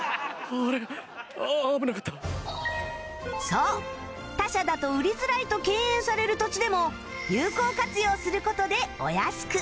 そう他社だと売りづらいと敬遠される土地でも有効活用する事でお安く